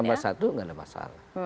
tambah satu gak ada masalah